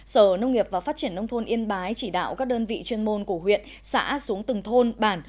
sở nông nghiệp và phát triển nông thôn yên bái chỉ đạo các đơn vị chuyên môn của huyện xã xuống từng thôn bản